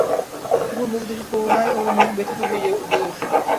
কুমুর মুখ দেখে করুণায় ওর মন ব্যথিত হয়ে উঠল।